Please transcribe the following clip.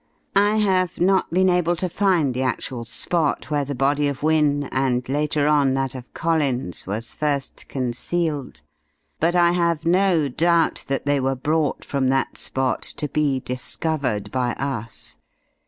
I have not been able to find the actual spot where the body of Wynne and, later on, that of Collins was first concealed, but I have no doubt that they were brought from that spot to be discovered by us.